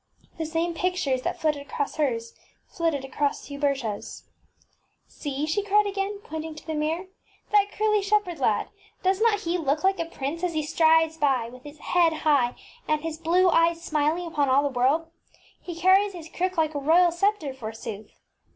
The same pictures that flitted across hers, flitted across HubertaŌĆÖs. ŌĆśSee! ŌĆÖ she cried again, pointing to the mirror, ŌĆśThat curly shepherd lad! Does he not look like a prince as he strides by with his head high, and his blue eyes smiling upon all the world? He car ries his crook like a royal sceptre, forsooth.